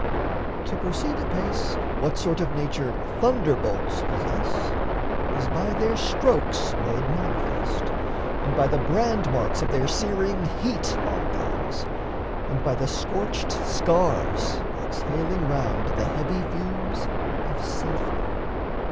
To proceed apace, What sort of nature thunderbolts possess Is by their strokes made manifest and by The brand marks of their searing heat on things, And by the scorched scars exhaling round The heavy fumes of sulphur.